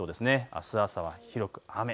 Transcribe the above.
あす朝は広く雨。